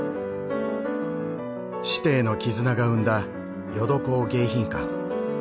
師弟の絆が生んだ『ヨドコウ迎賓館』。